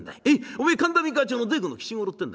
おめえ神田三河町の大工の吉五郎ってんだろ？